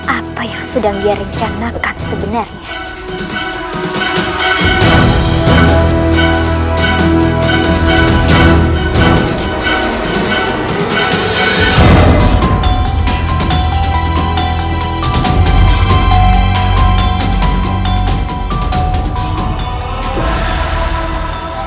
apa yang sedang direncanakan sebenarnya